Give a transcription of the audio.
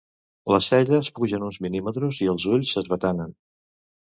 Les celles pugen uns mil·límetres i els ulls s'esbatanen.